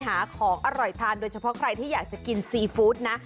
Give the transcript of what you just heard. หาของอร่อยทานโดยเฉพาะใครที่อยากจะกินซีฟู้ดนะ